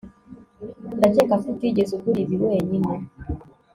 ndakeka ko utigeze ugura ibi wenyine